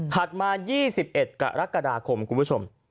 มา๒๑กรกฎาคมคุณผู้ชม